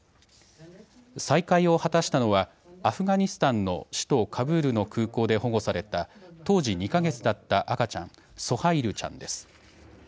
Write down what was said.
再会を果たしたのはアフガニスタンの首都カブールの空港で保護された当時２か月だった赤ちゃん、ソハイルちゃんです。